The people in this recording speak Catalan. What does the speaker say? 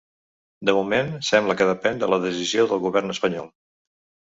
De moment, sembla que depèn de la decisió del govern espanyol.